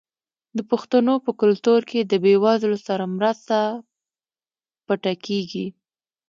د پښتنو په کلتور کې د بې وزلو سره مرسته پټه کیږي.